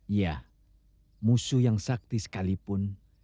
iya musuh yang sakti sekalipun